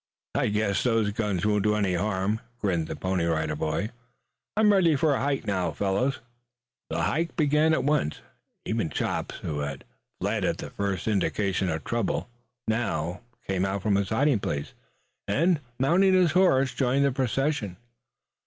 "I guess those guns won't do any damage," grinned the Pony Rider Boy. "I'm ready for the hike now, fellows." The hike began at once. Even Chops, who had fled at the first indication of trouble, now came out from his hiding place and, mounting his horse, joined the procession.